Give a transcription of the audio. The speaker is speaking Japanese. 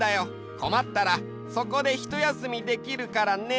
こまったらそこでひとやすみできるからね。